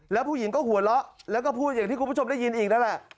แล้วผู้หญิงก็หัวเราะแล้วก็พูดอย่างที่คุณผู้ชมได้ยินอีกนั่นแหละ